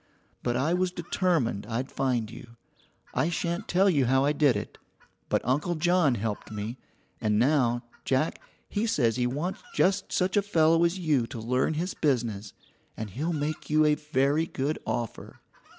But I was determined I'd find you. I shan't tell you how I did it, but Uncle John helped me, and now, Jack, he says he wants just such a fellow as you to learn his business, and he'll make you a very good offer.